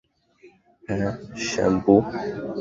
হ্যাঁ, শ্যাম্পু।